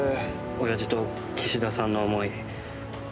親父と岸田さんの思い